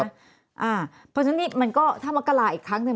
เพราะฉะนั้นนี่มันก็ถ้ามกราอีกครั้งหนึ่ง